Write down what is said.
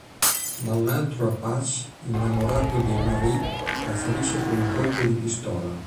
Ma un altro Apache, innamorato di Marie, la ferisce con un colpo di pistola.